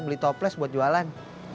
beli toples buat jualan